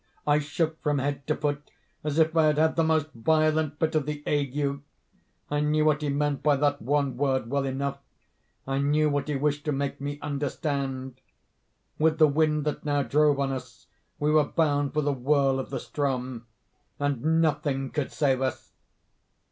I shook from head to foot as if I had had the most violent fit of the ague. I knew what he meant by that one word well enough—I knew what he wished to make me understand. With the wind that now drove us on, we were bound for the whirl of the Ström, and nothing could save us!